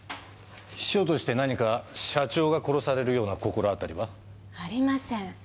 秘書として何か社長が殺されるような心当たりは？ありません。